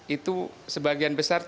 itu sebagian besar